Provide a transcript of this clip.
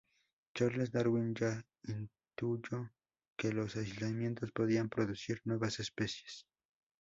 Charles Darwin ya intuyó que los aislamientos podían producir nuevas especies.